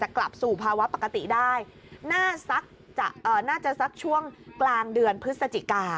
กลับสู่ภาวะปกติได้น่าจะสักช่วงกลางเดือนพฤศจิกา